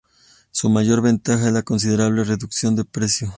Su mayor ventaja es la considerable reducción de precio.